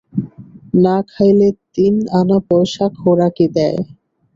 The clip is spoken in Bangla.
না খাইলে তিন আনা পয়সা খোরাকি দেয়।